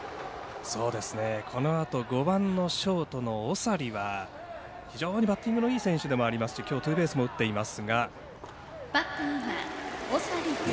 このあと５番のショートの長利は非常にバッティングのいい選手でもありますしきょうツーベースも打っています。